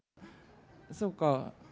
そうか。